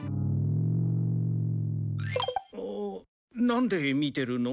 なんで見てるの？